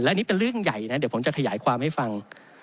อันนี้เป็นเรื่องใหญ่นะเดี๋ยวผมจะขยายความให้ฟัง